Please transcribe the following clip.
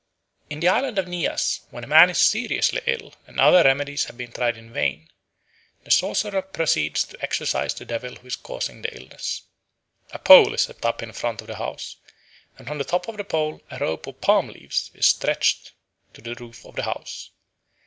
In the island of Nias, when a man is seriously ill and other remedies have been tried in vain, the sorcerer proceeds to exorcise the devil who is causing the illness. A pole is set up in front of the house, and from the top of the pole a rope of palm leaves is stretched to the roof of the house.